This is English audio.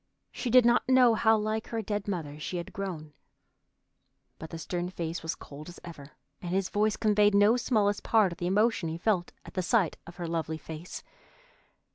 She did not know how like her dead mother she had grown. But the stern face was cold as ever, and his voice conveyed no smallest part of the emotion he felt at sight of her lovely face.